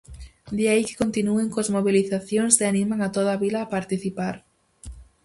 De aí que continúen coas mobilizacións, e animan a toda a vila a participar.